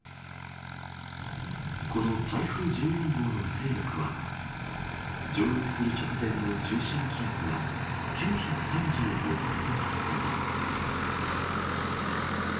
この台風１４号の勢力は上陸する直前の中心気圧が９３５ヘクトパスカル。